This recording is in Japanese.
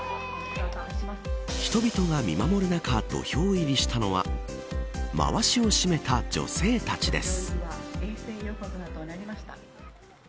人々が見守る中土俵入りしたのはまわしを締めた女性たちです。